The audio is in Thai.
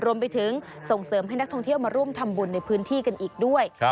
รวมไปถึงส่งเสริมให้นักท่องเที่ยวมาร่วมทำบุญในพื้นที่กันอีกด้วย